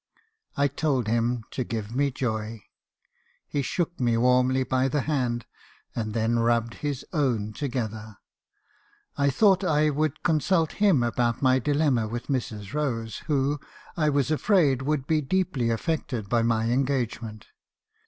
I told him to give me joy. He shook me warmly by the hand; and then rubbed his own together. I thought I would consult him about my di MB. habbison's confessions. 315 lemma with Mrs. Rose, who, I was afraid, would be deeply af fected by my engagement.